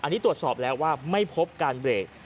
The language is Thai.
อันนี้ตรวจสอบแล้วว่าไม่พบการเบรก